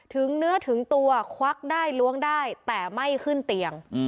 ถึงเนื้อถึงตัวควักได้ล้วงได้แต่ไม่ขึ้นเตียง